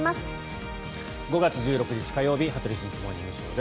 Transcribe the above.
５月１６日、火曜日「羽鳥慎一モーニングショー」。